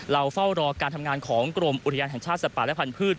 เฝ้ารอการทำงานของกรมอุทยานแห่งชาติสัตว์ป่าและพันธุ์